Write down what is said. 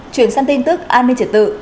chuyển sang tin tức an ninh triệt tự